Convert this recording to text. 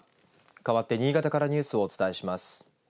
かわって新潟からニュースをお伝えします。